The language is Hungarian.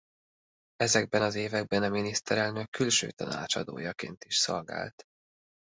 Ezekben az években a miniszterelnök külső tanácsadójaként is szolgált.